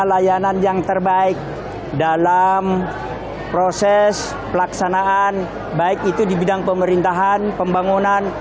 layanan yang terbaik dalam proses pelaksanaan baik itu di bidang pemerintahan pembangunan